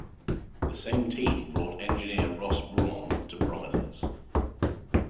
The same team brought engineer Ross Brawn to prominence.